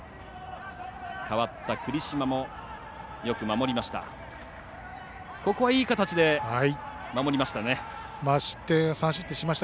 代わった栗島も、よく守りました。